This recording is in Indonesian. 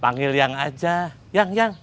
panggil yang aja yang yang